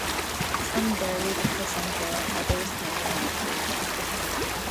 Some bury the placenta, others hang it on a tree.